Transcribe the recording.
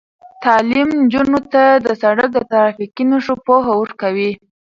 تعلیم نجونو ته د سړک د ترافیکي نښو پوهه ورکوي.